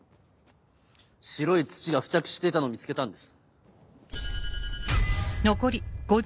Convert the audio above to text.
白い土が付着していたのを見つけたんです。